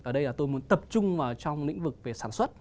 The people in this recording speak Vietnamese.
ở đây là tôi muốn tập trung vào trong lĩnh vực về sản xuất